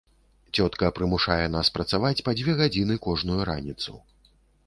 Цётка прымушае нас працаваць па дзве гадзіны кожную раніцу.